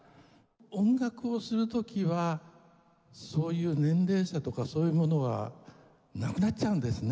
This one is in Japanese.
音楽をする時はそういう年齢差とかそういうものはなくなっちゃうんですね。